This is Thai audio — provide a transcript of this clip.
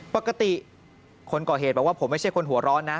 ปกติคนก่อเหตุบอกว่าผมไม่ใช่คนหัวร้อนนะ